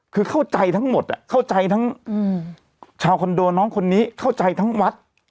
คือเข้าใจทั้งหมดเข้าใจทั้งชาวคอนโดน้องคนนี้เข้าใจทั้งวัด